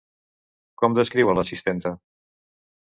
Com descriu a l'assistenta?